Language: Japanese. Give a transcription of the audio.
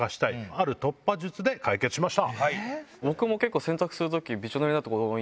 ある突破術で解決しました。